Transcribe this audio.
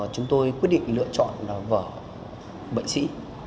chúng tôi quyết định lựa chọn vở bệnh sĩ